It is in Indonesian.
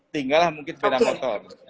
tinggal mungkin sepeda motor